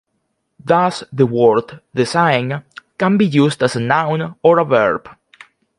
Thus the word "design" can be used as a noun or a verb.